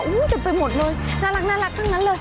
อู้วเจ็บไปหมดเลยน่ารักข้างนั้นเลย